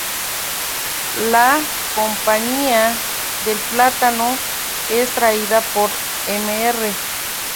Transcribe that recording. La compañía del plátano es traída por Mr.